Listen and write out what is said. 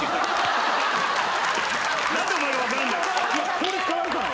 「法律変わるから。